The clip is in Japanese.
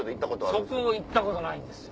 そこ行ったことないんですよ。